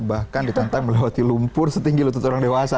bahkan ditantang melewati lumpur setinggi lutut orang dewasa